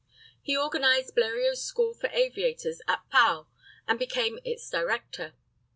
He organized Bleriot's school for aviators at Pau, and became its director.